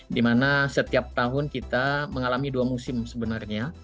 dimana setiap tahun kita mengalami dua musim sebenarnya